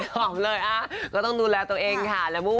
บอกเลยก็ต้องดูแลตัวเองค่ะ